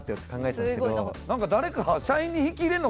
誰か。